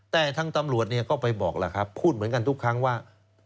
แต่ทางตำรวจก็ไปบอกแล้วครับพูดเหมือนกันทุกครั้งว่า